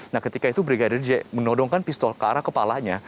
nah ketika itu brigadir j menodongkan pistol ke arah kepalanya